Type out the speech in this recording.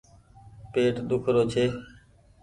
پيٽ ۮيک رو ڇي ۔